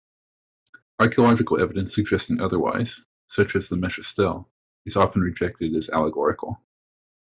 Archaeological evidence suggesting otherwise, such as the Mesha Stele, is often rejected as allegorical.